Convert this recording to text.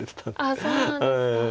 あっそうなんですか。